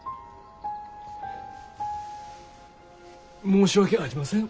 申し訳ありません。